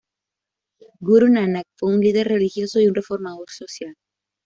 Gurú Nanak fue un líder religioso y un reformador social.